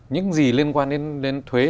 những gì liên quan đến thuế